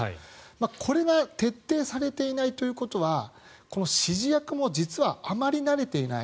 これが徹底されていないということはこの指示役も実はあまり慣れていない。